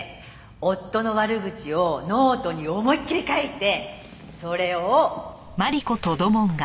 夫の悪口をノートに思いっきり書いてそれを」